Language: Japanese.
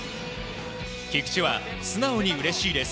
菊池は素直にうれしいです。